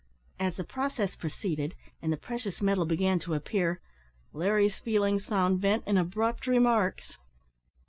As the process proceeded, and the precious metal began to appear, Larry's feelings found vent in abrupt remarks.